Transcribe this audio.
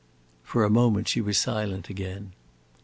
For a moment she was silent again.